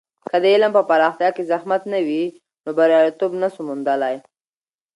که د علم په پراختیا کې زحمت نه وي، نو بریالیتوب نسو موندلی.